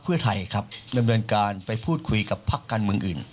เพื่อไทยครับดำเนินการไปพูดคุยกับพักการเมืองอื่น